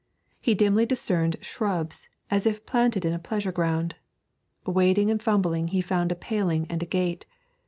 He dimly discerned shrubs as if planted in a pleasure ground. Wading and fumbling he found a paling and a gate.